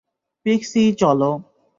Pixie, চল।